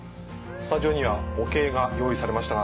スタジオには模型が用意されましたが。